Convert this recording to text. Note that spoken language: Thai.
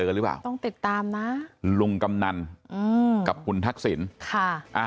กันหรือเปล่าต้องติดตามนะลุงกำนันอืมกับคุณทักษิณค่ะอ่า